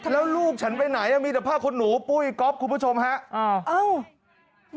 แล้วลูกฉันไปไหนมีแต่ผ้าขนหนูปุ้ยก๊อฟคุณผู้ชมฮะ